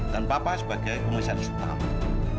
dan papa sebagai pengusaha setama